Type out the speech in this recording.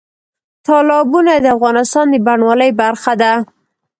تالابونه د افغانستان د بڼوالۍ برخه ده.